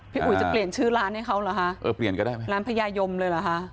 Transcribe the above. อุ๋ยจะเปลี่ยนชื่อร้านให้เขาเหรอฮะเออเปลี่ยนก็ได้ไหมร้านพญายมเลยเหรอคะ